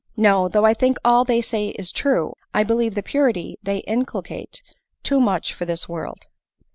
No — though I think all they say true, I believe the purity they inculcate too much for this world."